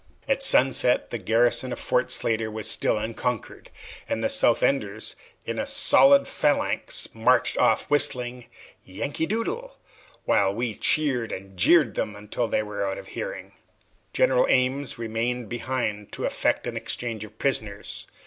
At sunset, the garrison of Fort Slatter was still unconquered, and the South Enders, in a solid phalanx, marched off whistling "Yankee Doodle," while we cheered and jeered them until they were out of hearing. General Ames remained behind to effect an exchange of prisoners.